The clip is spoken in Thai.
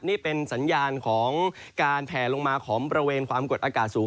นี่เป็นสัญญาณของการแผ่ลงมาของบริเวณความกดอากาศสูง